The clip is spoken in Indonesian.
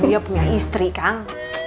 kan dia punya istri kang